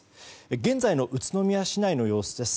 現在の宇都宮市内の様子です。